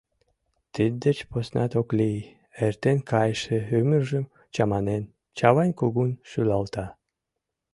Тиддеч поснат ок лий, — эртен кайыше ӱмыржым чаманен, Чавайн кугун шӱлалта.